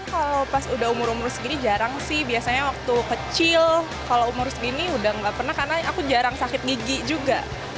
kalau pas udah umur umur segini jarang sih biasanya waktu kecil kalau umur segini udah nggak pernah karena aku jarang sakit gigi juga